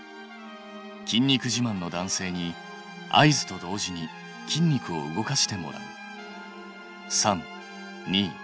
筋肉じまんの男性に合図と同時に筋肉を動かしてもらう。